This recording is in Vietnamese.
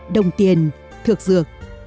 đồng tiền thược dược